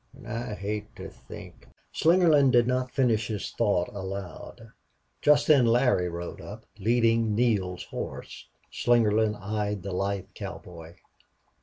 I hate to think " Slingerland did not finish his thought aloud. Just then Larry rode up, leading Neale's horse. Slingerland eyed the lithe cowboy.